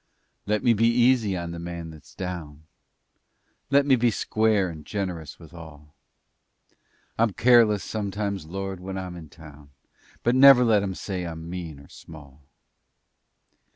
Let me be easy on the man that's down; Let me be square and generous with all. I'm careless sometimes, Lord, when I'm in town, But never let 'em say I'm mean or small!